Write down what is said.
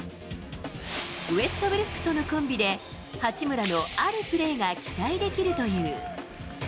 ウェストブルックとのコンビで、八村のあるプレーが期待できるという。